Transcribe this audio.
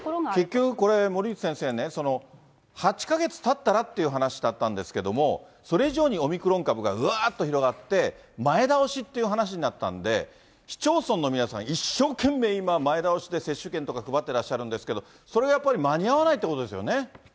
結局これ、森内先生ね、８か月たったらという話だったんですけれども、それ以上にオミクロン株がうわっと広がって、前倒しという話になったんで、市町村の皆さん、一生懸命、今、前倒しで接種券とか配ってらっしゃるんですけれども、それがやっぱり間に合わないということですよね。